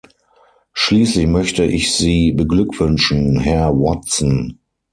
Schließlich möchte ich Sie beglückwünschen, Herr Watson.